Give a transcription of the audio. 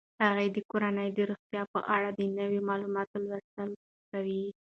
هغې د کورنۍ د روغتیا په اړه د نویو معلوماتو لوستل کوي.